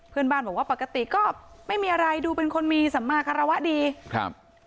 เพื่อนบ้านบอกว่าปกติก็ไม่มีอะไรดูเป็นคนมีสัมมาคารวะดีครับ